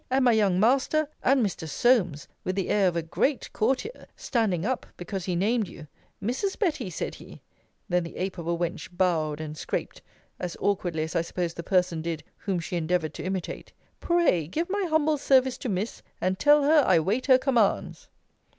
and my young master! and Mr. Solmes, with the air of a great courtier, standing up, because he named you: Mrs. Betty, said he, [then the ape of a wench bowed and scraped, as awkwardly as I suppose the person did whom she endeavoured to imitate,] pray give my humble service to Miss, and tell her, I wait her commands.